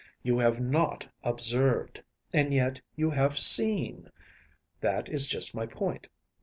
You have not observed. And yet you have seen. That is just my point.